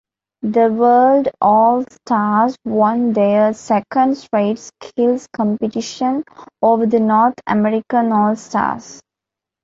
The "World All-Stars" won their second-straight skills competition over the "North American All-Stars".